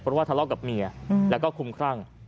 เพราะว่าทะเลาะกับเมียแล้วก็คุ้มครั่ง